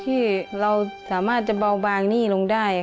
ที่เราสามารถจะเบาบางหนี้ลงได้